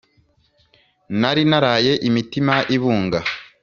nari naraye imitima ibunga